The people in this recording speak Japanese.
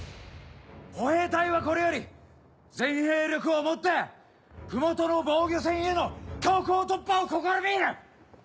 歩兵隊はこれより全兵力をもって麓の防御線への強行突破を試みる！